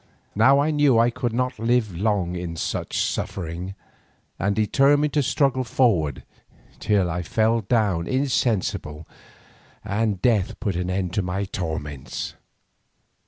Now I knew that I could not live long in such suffering, and determined to struggle forward till I fell down insensible and death put an end to my torments.